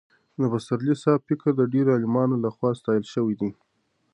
د پسرلي صاحب فکر د ډېرو عالمانو له خوا ستایل شوی دی.